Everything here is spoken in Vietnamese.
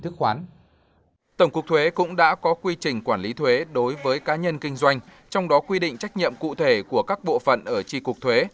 tổng cục thuế cũng đã có quy trình quản lý thuế đối với cá nhân kinh doanh trong đó quy định trách nhiệm cụ thể của các bộ phận ở tri cục thuế